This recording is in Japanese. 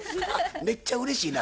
めっちゃうれしいな。